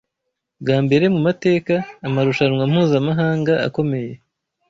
bwa mbere mu mateka amarushanwa mpuzamahanga akomeye